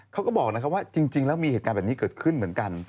เขาก็บอกนะครับว่าจริงแล้วมีเหตุการณ์แบบนี้เกิดขึ้นเหมือนกัน